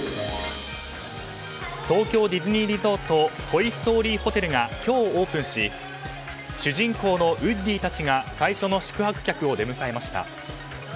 東京ディズニーリゾートトイ・ストーリーホテルが今日オープンし主人公のウッディたちが最初の宿泊客を出迎えました。